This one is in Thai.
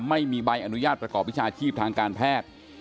ไม่มีใบอนุญาตประกอบวิชาชีพทางการแพทย์